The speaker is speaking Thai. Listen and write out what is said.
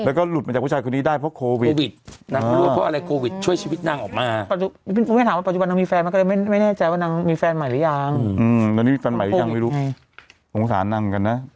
เออเนี่ยนะน่ะค่ะลงไว้ลงมือกากขัง